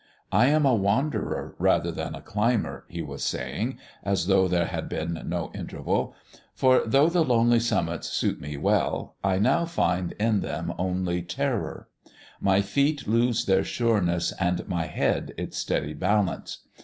"I am a wanderer rather than a climber," he was saying, as though there had been no interval, "for, though the lonely summits suit me well, I now find in them only terror. My feet lose their sureness, and my head its steady balance.